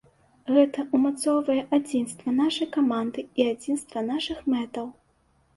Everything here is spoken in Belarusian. Гэта умацоўвае адзінства нашай каманды і адзінства нашых мэтаў.